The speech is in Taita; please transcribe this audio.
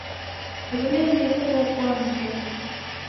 Wulindiri ghopoa mzedu